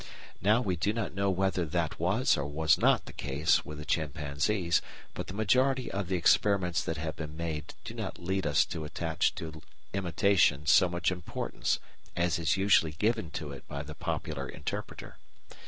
Now we do not know whether that was or was not the case with the chimpanzees, but the majority of the experiments that have been made do not lead us to attach to imitation so much importance as is usually given to it by the popular interpreter.